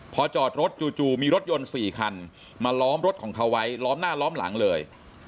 พอจอดรถจู่มีรถยนต์๔คันมาล้อมรถของเขาไว้ล้อมหน้าล้อมหลังเลย